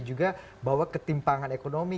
juga bahwa ketimpangan ekonomi